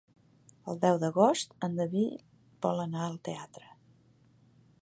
El deu d'agost en David vol anar al teatre.